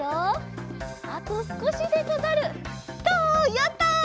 やった！